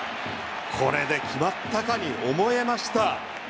これで決まったかに思えました。